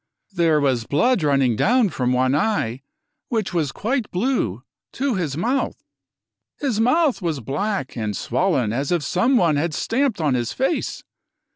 i There was blood running down from one eye, which was quite blue, to his mouth. His mouth was black and swollen as if someone had stamped on his face.